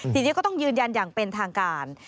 ทีนี้ก็ต้องยืนยันอย่างเป็นทางการ